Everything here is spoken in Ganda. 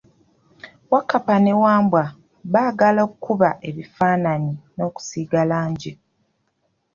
Wakappa ne Wambwa baagala okuba ebifananyi n'okusiiga langi.